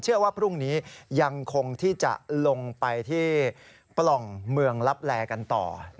เชื่อว่าพรุ่งนี้ยังคงที่จะลงไปที่ปล่องเมืองลับแลกันต่อ